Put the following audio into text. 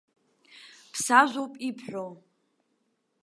Ԥсажәоуп ибҳәо!